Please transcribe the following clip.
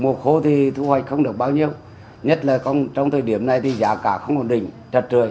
mùa khô thì thu hoạch không được bao nhiêu nhất là trong thời điểm này thì giá cả không ổn định chặt trượi